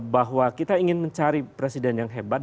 bahwa kita ingin mencari presiden yang hebat